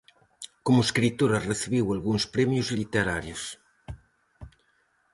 Como escritora recibiu algúns premios literarios.